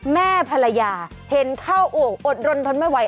แม่ภรรยาเห็นเข้าโอ่งอดรนทนไม่ไหว